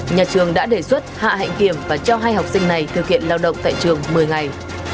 nhà trường đã đề xuất hạ hạnh kiểm và cho hai học sinh này thực hiện lao động tại trường một mươi ngày